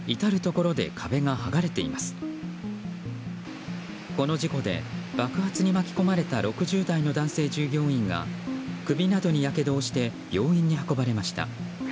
この事故で爆発に巻き込まれた６０代の男性従業員が首などにやけどをして病院に運ばれました。